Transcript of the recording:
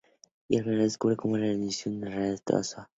Al final, se descubre que todo era una ilusión, y en realidad estaba sola.